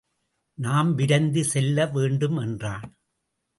நாம் விரைந்து செல்ல வேண்டும் எனறான்.